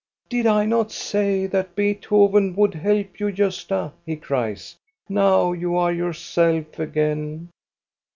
" Did I not say that Beethoven would help you, Gosta," he cries. " Now you are yourself again."